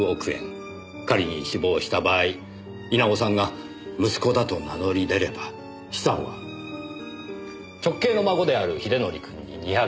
仮に死亡した場合稲尾さんが息子だと名乗り出れば資産は直系の孫である英則くんに２００億円。